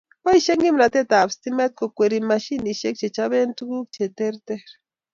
Boishei kimnatet ab stimet kokweri mashinishek che chobe tukuk che terter